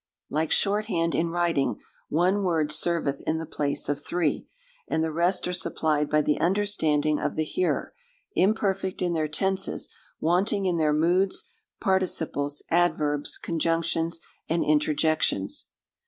Like short hand in writing, one word serveth in the place of three, and the rest are supplied by the understanding of the hearer; imperfect in their tenses, wanting in their moods, participles, adverbs, conjunctions, and interjections.